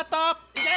いけ！